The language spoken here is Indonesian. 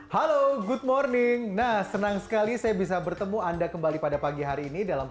halo good morning nah senang sekali saya bisa bertemu anda kembali pada pagi hari ini dalam